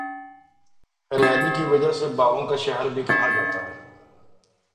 ہریالی کی وجہ سے باغوں کا شہر بھی کہا جاتا ہے